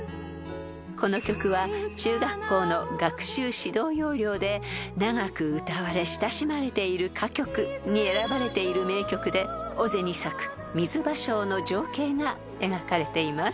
［この曲は中学校の学習指導要領で長く歌われ親しまれている歌曲に選ばれている名曲で尾瀬に咲く水芭蕉の情景が描かれています］